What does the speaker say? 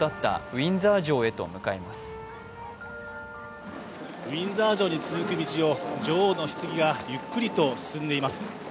ウィンザー城に続く道を女王のひつぎがゆっくりと進んでいます。